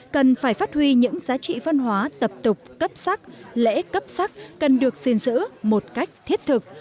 cần phải phát huy những giá trị văn hóa tập tục cấp sắc lễ cấp sắc cần được xin giữ một cách thiết thực